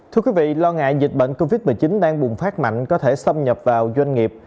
thưa quý vị lo ngại dịch bệnh covid một mươi chín đang bùng phát mạnh có thể xâm nhập vào doanh nghiệp